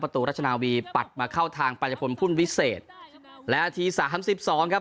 รัชนาวีปัดมาเข้าทางปัญพลพุ่นวิเศษและนาทีสามสิบสองครับ